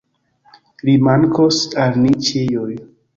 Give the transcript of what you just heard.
Li mankos al ni ĉiuj.